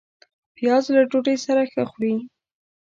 پیاز له ډوډۍ سره ښه خوري